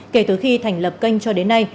kể từ khi thành lập kênh cho đến nay